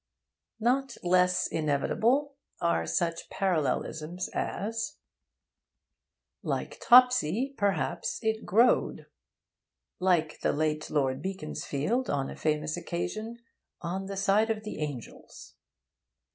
Not less inevitable are such parallelisms as: Like Topsy, perhaps it 'growed.' Like the late Lord Beaconsfield on a famous occasion, 'on the side of the angels.'